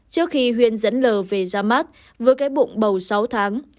trước khi huyên dẫn l về ra mắt với cái bụng bầu sáu tháng